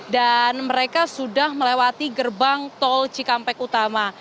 dan mereka sudah melewati gerbang tol cikampek utama